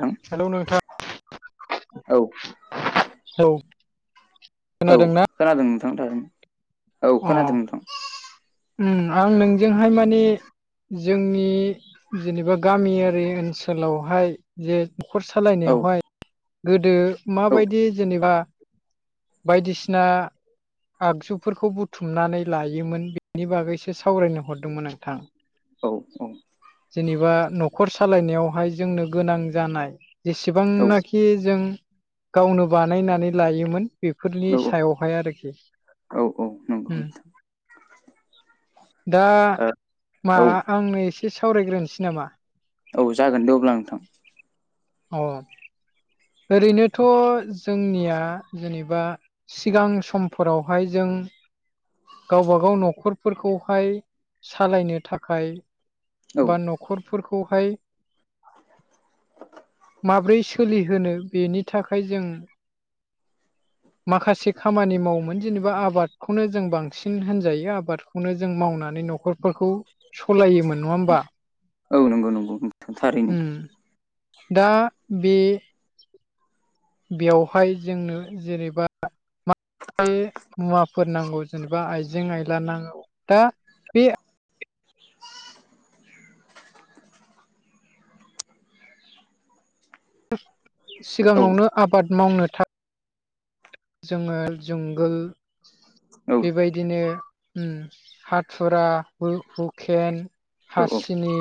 नोंथां हेलौ नोंथां औ औ औ खोनादोंना खोनादों नोंथां थारैनो औ खोनादों नोंथां ओम आं नोंजोंहाय माने जोंनि जेनेबा गामियारि ओनसोलावहाय जे न'खर औ सालायनायावहाय गोदो औ माबायदि जेनेबा बायदिसिना आगजुफोरखौ बुथुमनानै लायोमोन बिनि बागैसो सावरायनो हरदोंमोन नोंथां। [inaudible] औ औ जेनेबा न'खर सालायनायावहाय जोंनो गोनां जानाय जेसेबांना औ खि जों गावनो बानायनानै लायोमोन। बेफोरनि सायावहाय आरोखि औ औ नंगौ ओम। नोंथां दा मा औ आंनो एसे सावरायग्रोनोसै नामा? औ जागोन दे अब्ला नोंथां। अ। ओरैनोथ' जोंनिया जेनेबा सिगां समफोरावहाय जों गावबाागाव न'खरफोरखौहाय सालायनो थाखाय औ बा न खरफोरखौहाय माब्रै सोलि होनो बेनि थाखाय जों माखासे खामानि मावोमोन जेनेबा आबादखौनो जों बांसिन होनजायो आबाद खौनो जों मावनानै न'खरफोरखौ सालायोमोन नङा होमबा? औ नंगौ नंगौ उम। उम। दा बे बेयावहाय जोंङो जेनेबा [unintelligible] मुवाफोर नांगौ जेनेबा आइजें आइला नांगौ दा बे [unintelligible] औ सिगाङावनो आबाद मावनो था जोङो जोंगोल औ। औ बेबायदिनो उम हाथुरा हु हुकेन औ हासिनि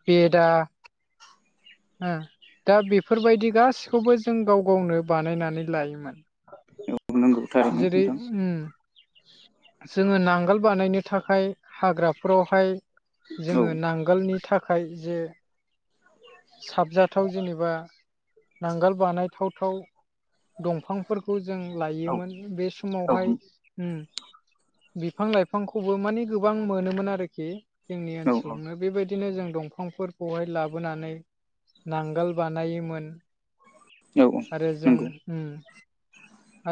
बेदा दा बेफोरबायदि गासिखौबो जों गाव गावनो बानायनानै लायोमोन औ नंगौ। थारैनो जेरै नोंथां उम जोङो नांगोल बानायनो थाखाय हाग्राफोरावहाय औ जोङो नांगोलनि थाखाय जे साबजाथाव जेनेबा नांगोल बानायथाव थाव दंफांफोरखौ जों औ लायोमोन बे औ समावहाय उम। बिफां लाइफांखौबो माने गोबां मोनोमोन आरोखि जोंनि नंगौ औ ओनसोलावनो बेबायदि बिदिनो जों दंफांफोरखौहाय लाबोनानै नांगोल बानायोमोन आरो जों नंगौ उम।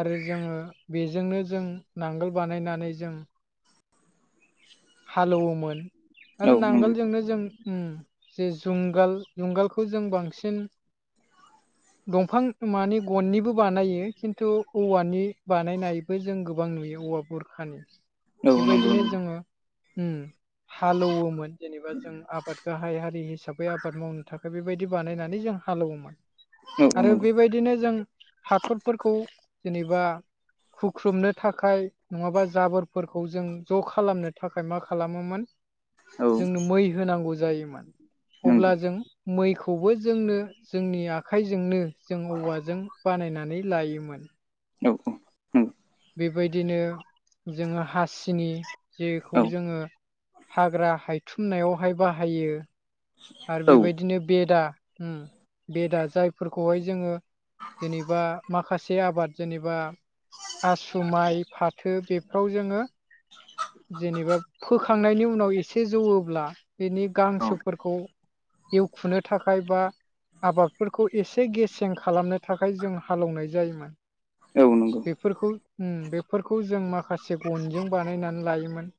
आरो जोङो बेजोंनो जों नांगोल बानायनानै जों हालौवोमोन औ आरो नंगौ नांगोलजोंनो जों उम जे जुंगाल जुंगालखौ जों बांसिन दंफां माने गननिबो बानायो खिन्थु औवानि बानायनाय बेखौ जों गोबां नुयो औवा बुरखानि नंगौ औ बेबायदिनो नंगौ जोङो उम। हालौवोमोन जेनेबा जों आबाद गाहाय हारि हिसाबै आबाद मावनो थाखाय बेबाय- -दि बानायनानै जों हालौवोमोन औ आरो नंगौ बेबायदिनो जों हाथरफोरखौ जेनेबा हुख्रुबनो थाखाय नङाबा जाबोरफोरखौ जों ज' खालामनो थाखाय मा खालामोमोन औ जोंनो मै होनांगौ जायोमोन नंगौ अब्ला जों मैखौबो जोंनो जोंनि आखाइजोंनो जों औवाजों बानायनानै लायोमोन औ औ बेबायदिनो जोङो हासिनि जेखौ जोङो हाग्रा हायथुमनायावहाय बाहायो आरो औ बेबायदिनो बेदा उम बेदा जाय फोरखौहाय जोङो जेनेबा माखासे आबाद जेनेबा आसु माइ फाथो बे- -फ्राव जोङो जेनेबा फोखांनायनि उनाव एसे जौवोब्ला बिनि गांसोफोरखौ एवखुनो थाखाय बा आबादफोरखौ एसे गेसें खालामनो थाखाय जों हालेवनाय जायोमोन औ नंगौ बेफोरखौ उम बेफोरखौ जों माखासे गनजों बानायनानै लायोमोन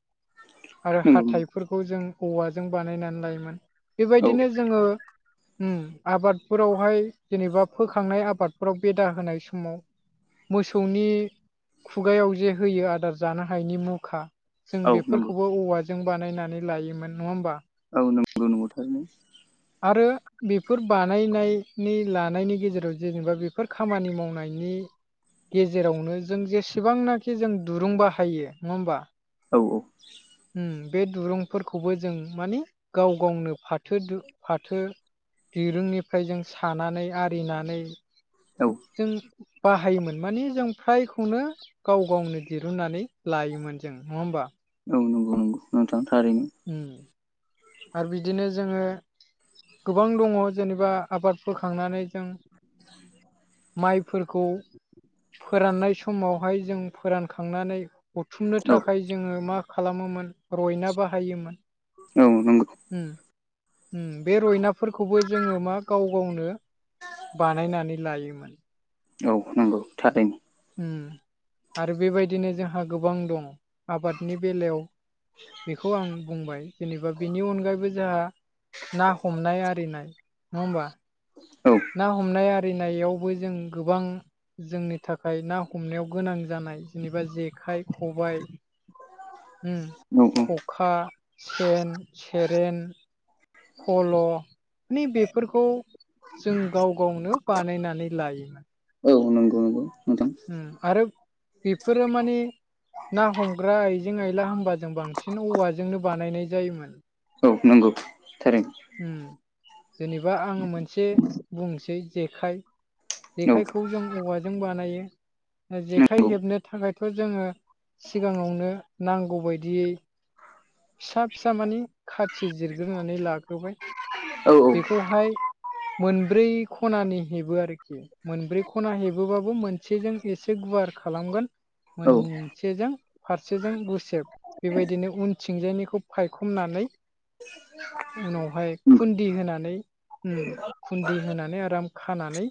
आरो हाथाइफोरखौ जों औवाजों बानायनानै लायोमोन बेबायदिनो जोङो आबादफोरावहाय जेनेबा फोखांनाय आबादफोराव बेदा होनाय समाव मोसौनि खुगायाव जे होयो आदार जानो हायिनि मुखा जों नंगौ बेफोरखौबो औवाजों बानायनानै लायोमोन नङा होमबा औ नंगौ नंगौथार न आरो बेफोर बानायनायनि लानायनि गेजेराव जेनेबा बेफोर खामानि मावनायनि गेजेरावनो जों जेसेबांनाखि जों दुरुं बाहायो नङा होमबा औ औ बे दुरुंफोरखौबो जों मानिे गाव गावनो फाथ फाथो फाथो दिरुंनिफ्राय जों सानानै आरिनानै औ जों बाहायोमोन माने जों फ्रायखौनो गाव गावनो दिरुननानै लायोमोन जों नङा होमबा औ नंगौ नंगौ नोंथां थारैनो आरो बिदिनो जोङो गोबां दङ जेनेबा आबाद फोखांनानै जों [unintelligible] माइफोरखौ फोराननाय समावहाय जों फोरानखांनानै बुथुमनो औ थाखाय जोङो मा खालामोमोन रयना बाहायोमोन औ नंगौ बे रयनाफोरखौबो जोङो मा गाव गावनो बानायनानै लायोमोन औ नंांगौ थारैनि आरो बेबायदिनो जोंहा गोबां दं आबादनि बेलायाव बेखौ आं बुंबाय जेनेबा बेनि अनगायैबो जोंहा ना हमनाय आरिनाय नङा हबा औ ना हमनाय आरिनायावबो जों गोबां जोंनि थाखाय ना हमनायाव गोनां जानाय जेनेबा जेखाइ खबाय औ ख अखा सेन सेरेन फल' माने बेफोरखौ जों गाव गावनो बानायनानै लायोमोन औ नंगौ नंगौ नोंथां उम आरो बेफोरो माने ना हमग्रा आयजें आइला होनबा जों बांसिन औवाजोंनो बानायनाय जायोमोन औ नंगौ थारैनो उम जेनेबा आं मोनसे बुंनोसै जेखाइ औ जेखाइखौ जों औवाजों बानायो जेखाइ नंगौ हेबनो थाखायथ' जोङो सिगाङावनो नांगौबायायदियै फिसा-फिसा मानि खाथि जिरग्रोनानै ला औ औ बेखौहाय मोनब्रै खनानि हेबो आरोखि मोनब्रै खना हेबोबाबो मोनसेजों एसे गुवार खालामगोन मोन औ सेजों फारसेजों गुसेब बेबायदिनो उनथिंजायनिखौ फायखमनानै उनावहाय फुन्दि होनानै उम फुन्दि होनानै आराम खानानै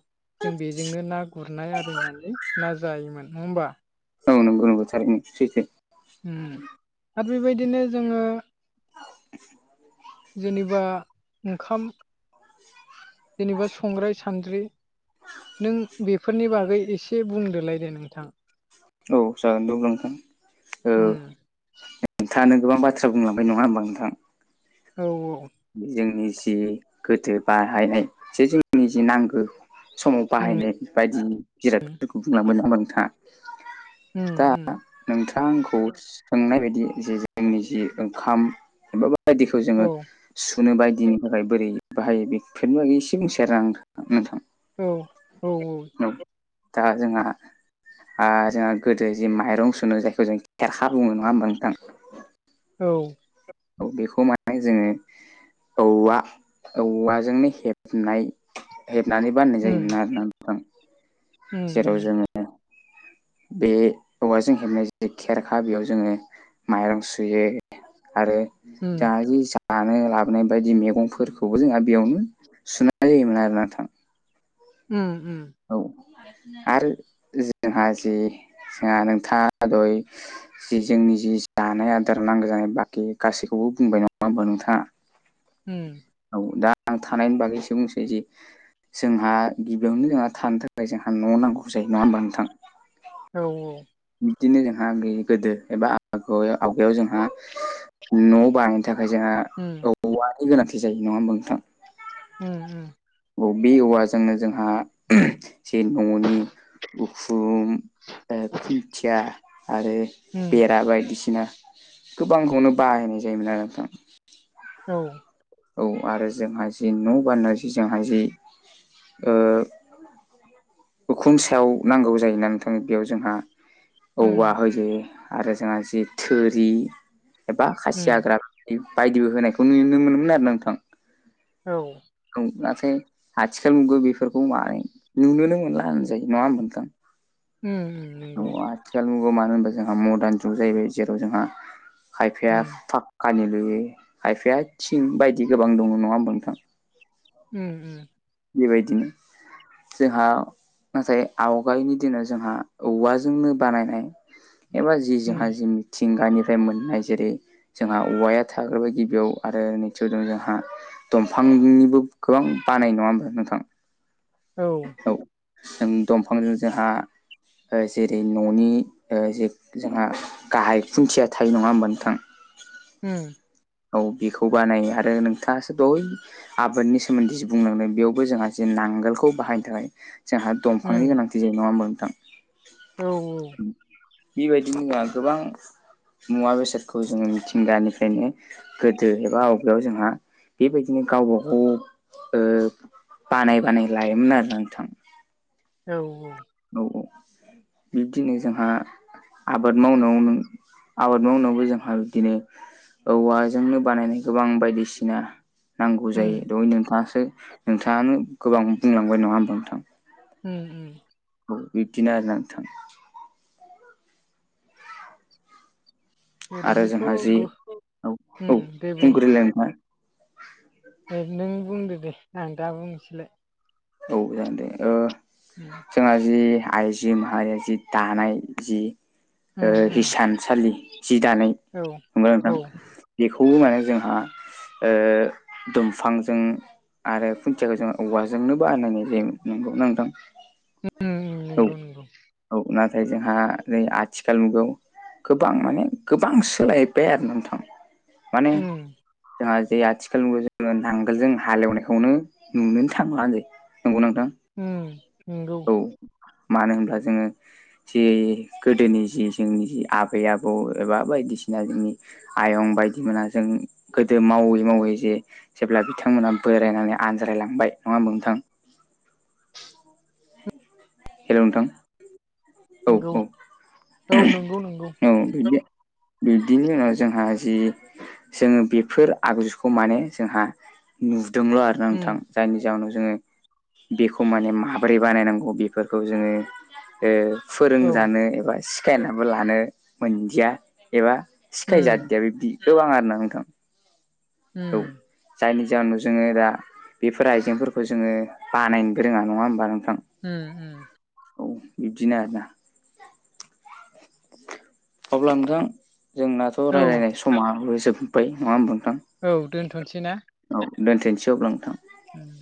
जों बेजोंनो ना गुरनाय आरिनानै ना जायोमोन नङा होमबा? औ नंगौ-नंगौ थारैनो सैथो। उम बेबायदिनो जोङो जेनेबा ओंखाम जेनेबा संग्राय सान्द्रि नों बेफोरनि बागै एसे बुंदोलाय? दे नोंथां औ जागोन दे अब्लां नोंथां उम औ नोंथाङानो गोबां बाथ्रा बुंलांबाय नङा होनोमबा नोंथां? औ-औ जोंनि जि गोदो बाहायनाय जे जोंनि जि नांगौ समाव उम बाहायनाय बायदि जिरादफोरखौ बुंलङोन नामा नोंथाङा? दा उम-उम नोंथाङा आंखौ सोंनाय बायदि जे जोंनि जि ओंखाम एबा बायदिखौ औ जोङो सुनो बायदिनि थाखाय बोरै बाहायो बेफोरनि बागै एसे बुंसै आरो आं नोंथां। औ औ औ दा जोंहा आ जोंहा गोदो जि माइरं सुनो जायखौ जों खेरखा बुङो नङा होनबा नोंथां? औ औ बेखौ माने जोङो औवा औवाजोंनो हेबनाय हेबनानै बाननाय जायोमोन आरोना नोंथां। जेराव उम-उम जोङो बे औवाजों हेबनाय जे खेरखा बेयाव जोङो माइरं सुयो। आरो उम दायि जानो लाबोनाय बायदि मैगंफोरखौबो जोंहा बेयावनो सुनाय जायोमोन आरो नथां। उम-उम औ आरो जोंहा जि जोंहा नोंथाङा दहय जि जोंनि जि जानाय आदार नांगौ जानाय बाखि गासैखौबो बुंबाय नङा होमबा नोंथाङा? उम औ दा आं थानायनि बागै एसे बुंसै जि जोंहा गिबियावनो जोंहा थानो थाखाय जोंहा न' नांगौ जायो नङा होमबा नोंथां? औ-औ बिदिनो जोंहा गोदो एबा आग आवगायाव जोंहा न' बानायनो थाखाय जोंहा उम औवानि गोनांथि जायो नङा होमबा नोंथां? उम-उम औ बबे औवाजोंनो जोंहा जे न'नि गुखुम खुन्थिया आरो उम बेरा बायदिसिना। गोबांखौनो बाहायनाय जायोमोन आरो नोंथां औ औ आरो जोंहा जि न' बान्नाय जि जोंहाय जि ओ [inaudible] उखुनुम सायाव नांगौ जायोोना नोंथां बेयाव जोंहा उम औवा होयो आरो जोंहा जि थुरि एबा खासि उम हाग्रा बायदिबो होनायखौ नुनो मोनोमोन आरो नोंथां औ औ [unintelligible] आथिखाल नुगो बेफोरखौ मानो नुनोनो मोनला होनजायो नङा होमबा? नंगौ खाथि नुगौ मानो होनबा जोंहा मदार्न जुग जाहैबाय जेराव जोंहा खायफाया उम कानि लुयि खायफाया थिं बायदि गोबां दङ नङा होमबा नोंथां। उम उ बेबायदिनो जोंहा नाथाय आवगायनि दिनाव जोंहा औवाजोंनो बानायनाय एबा जि जोंहा उम जि मिथिंगानिफ्राय मोननाय जेरै -जोंहा औवाया थाग्रोबाय गिबियाव आरो नैथिआव दं जोंहा दंफांनिबो गोबां बानाय नङा होमबा नोंथां? औ औ जों दंफांजों जोंहा जेरै न'नि जे जोंहा गाहाय खुन्थिया थायो नङा होमबा नोंथां। ओम औ बेखौ बानायो आरो नोंथाङासो दहाय आबादनि सोमोन्दैसो बुंलांदों बेयाव बो जोंहा जे नांगोलखौ बाहायनो थाखाय जोंहा दंफांनि गोनांथि जायो नङा होनबा नोंथां? औ-औ बेबायदिनो मा गोबां मुवा बेसादखौ जोङो मिथिंगानिफ्रायनो गोदो एबा आबहावायाव जोंहा बेबायदिनो गावबागाव ओ बानाय बानाय लायोमोन आरोखि नोंथां। औ-औ औ-औ बिब्दिनो जोंहा आबाद मावनायाव आबाद मावनायावबो जोंहा बिदिनो औवाजोंनो बानायनाय गोबां बायदिसिना- नांगौ जायो उम दह नोंथाङासो नोंथाङानो गोबां बुंलांबाय नङा होमबा नोंथां। ओम-ओम औ बिबदिनो आरोना नोंथां। आरो ओरैनोथ' जोंहा जि गो उम औ-औ दे बुंग्रोलाय नोंथां- एह नों बुंदो दे आं दा बुंनोसैलाय औ जागोन दे ओ ओम जोंहा जि आइजो माहारिया जि दानाय जि उम ओ हिसानसालि जि दानाय औ नंगौना नोंथां। उम बेखौबो माने जोंहा दंफांजों आरो खुन्थियाखौ जों औवाजोंनो बानायनाय जायोमोन नंगौ नोंथां उम नंगौ नंगौ औ-औ। ओमफ्राय जोंहा आथिखाल मुगायाव गोबां माने गोबां सोलायबाय आरोना नोंथां माने उम जोंहा जे आथिखाल जोङो नांगोलजों हालेवनायखौनो नुनोनो थांलानो नंगौ नोंथां ओम नंगौ। औ मानो होनब्ला जोङो जि गोदोनि जि जोंनि जि आबै आबौ एबा बायदिसिना जोंनि आयं बायदि मोना जों गोदो मावै मावै जे जेब्ला बिथांमोना बोरायनानै आनज्रायलांबाय नङा होनबा नोंथां? हेल' नोंथां औ नंगौ औ औ नंगौ नंगौ औ बिदि। बिब्दिनि उनाव जोंहा जि जोङो बेफोर आगजुखौ माने जोंहा नुदोंल' आरोना नोंथां। उम जायनि जाहोनाव जोङो बेखौ माने माबोरै बानायनांगौ बेफोरखौ जोङो ओ औ फोरोंजानो एबा सिखायनाबो लानो मोनदिया एबा उम सिखायजादिया बिबदि गोबां आरोना नोंथां। औ उम जायनि जाहोनाव जोङो दा बेफोर आइजेंफोरखौ जोङो बानायनोबो रोङा नङा होमबा नोंथां? ओम ओम। औ बिब्दिनो आरोना। अब्ला नोंथां जोंना औ। समाबो जोबबाय नङा होनबा नोंथां? औ दोनथ'नोसै ने? औ दोनथ'नोसै अब्ला नोंथां। ओम।